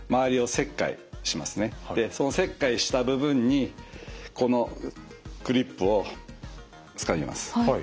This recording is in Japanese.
その切開した部分にこのクリップをつかみます。